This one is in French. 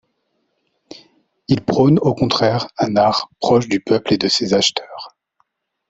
Ils prônent au contraire un art proche du peuple et de ses acheteurs.